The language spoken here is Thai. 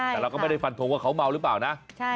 แต่เราก็ไม่ได้ฟันทงว่าเขาเมาหรือเปล่านะ